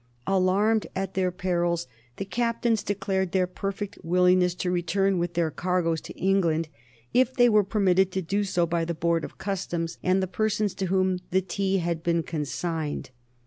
Alarmed at their perils, the captains declared their perfect willingness to return with their cargoes to England if they were permitted to do so by the Board of Customs and the persons to whom the tea had been consigned.